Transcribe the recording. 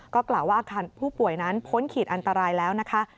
ก็กล่าวว่าอาคารผู้ป่วยนั้นพ้นขีดอันตรายแล้วนะคะ